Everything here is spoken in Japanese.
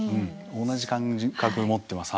同じ感覚持ってます。